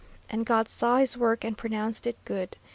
And God saw his work and pronounced it good!